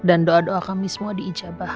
dan doa doa kami semua diijabah